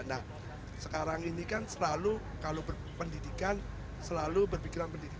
nah sekarang ini kan selalu kalau berpendidikan selalu berpikiran pendidikan